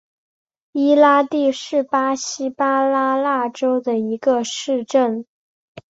伊拉蒂是巴西巴拉那州的一个市镇。